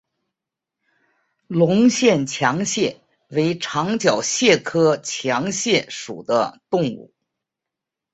隆线强蟹为长脚蟹科强蟹属的动物。